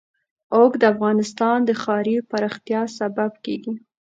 اوښ د افغانستان د ښاري پراختیا سبب کېږي.